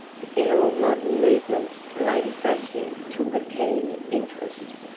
In all modern movements Lady Brassey took a keen interest.